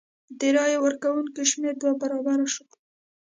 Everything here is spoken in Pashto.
د رای ورکوونکو شمېر دوه برابره شو.